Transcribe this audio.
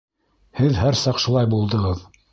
Һеҙ һәр саҡ шулай булдығыҙ.